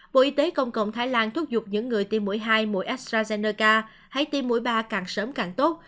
bộ y tế công cộng thái lan thúc giục những người tiêm mũi hai mũi astrazeneca hay tiêm mũi ba càng sớm càng tốt